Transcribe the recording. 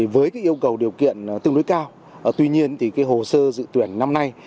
với yêu cầu điều kiện tương đối cao tuy nhiên hồ sơ dự tuyển năm nay